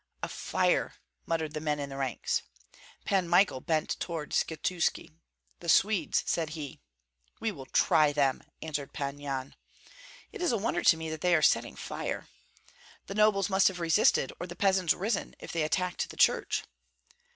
"A fire!" muttered the men in the ranks. Pan Michael bent toward Skshetuski. "The Swedes!" said he. "We will try them!" answered Pan Yan. "It is a wonder to me that they are setting fire." "The nobles must have resisted, or the peasants risen if they attacked the church."